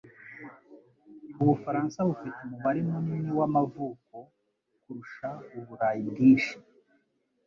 Ubufaransa bufite umubare munini w’amavuko kurusha Uburayi bwinshi.